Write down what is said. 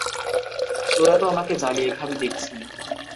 তোরা তো আমাকে জ্বালিয়ে খাবি দেখছি।